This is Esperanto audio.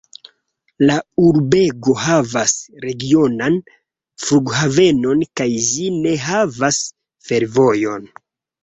La urbego havas regionan flughavenon kaj ĝi ne havas fervojon.